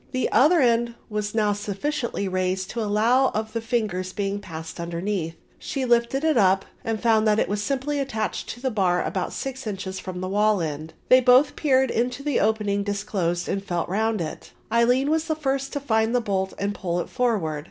The other end was now sufficiently raised to allow of the fingers being passed underneath. She lifted it up and found that it was simply attached to a bar about six inches from the wall end. They both peeped into the opening disclosed and felt round it. Aline was the first to find the bolt and pulled it forward.